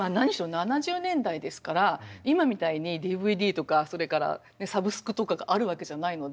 ７０年代ですから今みたいにＤＶＤとかそれからサブスクとかがあるわけじゃないので。